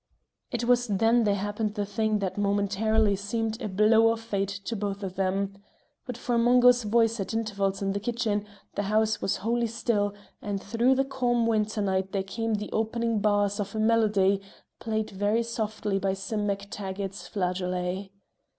It was then there happened the thing that momentarily seemed a blow of fate to both of them. But for Mungo's voice at intervals in the kitchen, the house was wholly still, and through the calm winter night there came the opening bars of a melody, played very softly by Sim MacTaggart's flageolet.